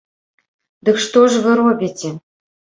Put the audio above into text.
Дык што ж вы робіце!